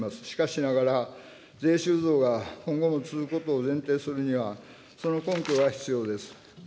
しかしながら、税収増が今後も続くことを前提とするには、その根拠が必要です。